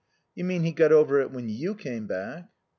"You mean he got over it when you came back."